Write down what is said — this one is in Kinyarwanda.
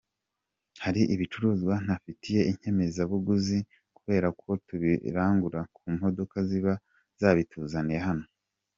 Hari ibicuruzwa ntafitiye inyemezabuguzi kubera ko tubirangura ku modoka ziba zabituzaniye hano.